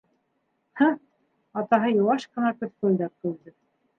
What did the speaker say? Һы, - атаһы йыуаш ҡына кеткелдәп көлдө.